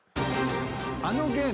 あのゲーム？